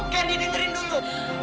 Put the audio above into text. kendi dengerin dulu